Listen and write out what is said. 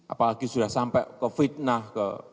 apalagi sudah sampai ke fitnah ke